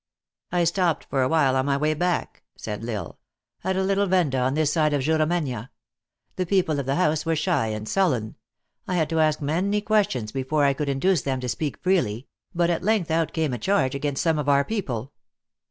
" I stopped for a while on my way back," said L Isle, " at a little venda on this side of Juramenlia. The people of the house were shy and sullen. I had to ask many questions before I could induce them to speak freely, but at lerfgth out came a charge against some of our people.